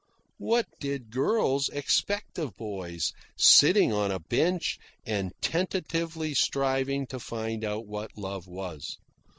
What did girls expect of boys, sitting on a bench and tentatively striving to find out what love was?